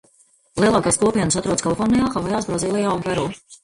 Lielākās kopienas atrodas Kalifornijā, Havajās, Brazīlijā un Peru.